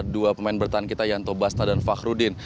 dua pemain bertahan kita yanto basna dan fahruddin